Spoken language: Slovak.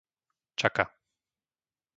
Čaka